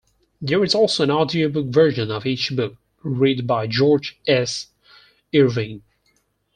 There is also an audiobook version of each book, read by George S. Irving.